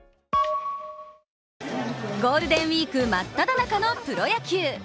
ゴールデンウイーク真っただ中のプロ野球。